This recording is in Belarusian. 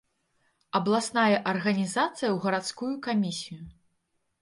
Абласная арганізацыя ў гарадскую камісію.